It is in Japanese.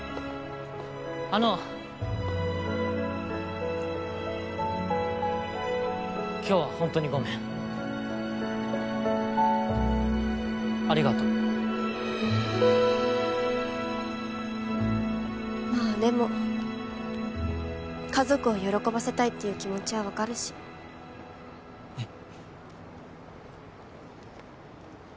あの今日はほんとにごめんありがとうまぁでも家族を喜ばせたいっていう気持ちは分かるしえっ？